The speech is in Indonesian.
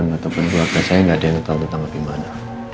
bahkan dari temen temen ataupun keluarga saya gak ada yang tau tentang bimana